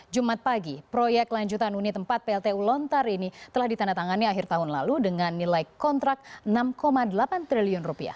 jumat pagi proyek lanjutan unit empat pltu lontar ini telah ditandatangani akhir tahun lalu dengan nilai kontrak rp enam delapan triliun